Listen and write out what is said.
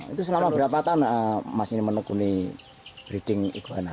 itu selama berapa tahun mas ini menekuni breeding iguana